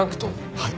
はい。